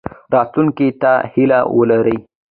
راتلونکي ته هیله ولرئ